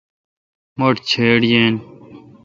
مٹھ چِھڑ یین۔